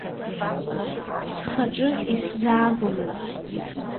Схаҿы исзаагомызт.